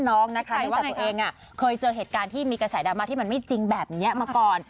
เนื่องจากว่าตัวเองเคยเจอเหตุการณ์ที่มีกระแสดราม่าที่มันไม่จริงแบบนี้มาก่อน